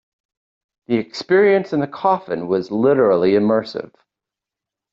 The experience in the coffin was literally immersive.